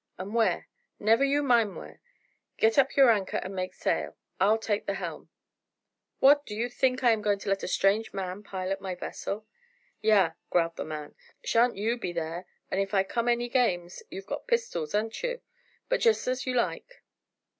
"And where?" "Never you mind wheer. Get up your anchor, and make sail; I'll take the helm." "What, do you think I am going to let a strange man pilot my vessel?" "Yah!" growled the man; "shan't you be there, and if I come any games, you've got pistols, aren't you? But just as you like."